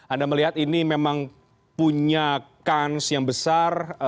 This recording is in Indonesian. anda melihat ini memang punya kans yang besar